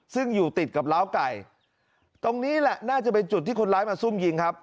ซึ่งอยู่ติดกับล้าวไก่ตรงนี้แหละน่าจะเป็นจุดที่คนร้ายมาซุ่มยิงครับ